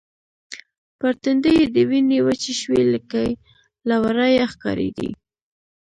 پر تندي يې د وینې وچې شوې لکې له ورایه ښکارېدې.